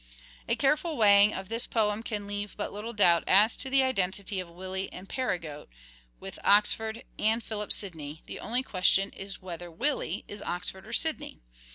A careful weighing of this poem can leave but little An old doubt as to the identity of " Willie " and " Perigot " problem ~ solved. with Oxford and Philip Sidney : the only question is whether " Willie " is Oxford or Sidney.